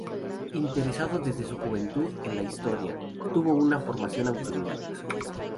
Interesado desde su juventud en la historia, tuvo una formación autodidacta.